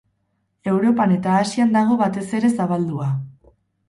Europan eta Asian dago batez ere zabaldua.